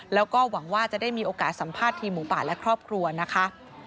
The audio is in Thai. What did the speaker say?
แล้วก็หวังว่าจะได้มีโอกาสสัมภาษณ์ทีมหมูป่าและครอบครัวนะคะ